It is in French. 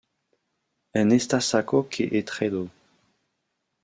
En esta saco que he traido.